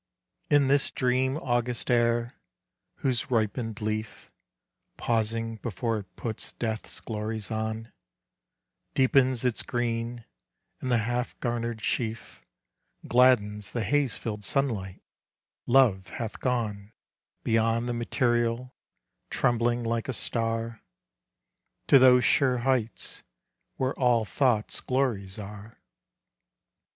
In this dream August air, whose ripened leaf, Pausing before it puts death's glories on, Deepens its green, and the half garnered sheaf Gladdens the haze filled sunlight, love hath gone Beyond the material, trembling like a star, To those sure heights where all thought's glories are.